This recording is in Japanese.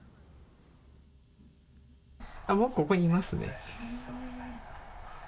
僕、ここにいますね。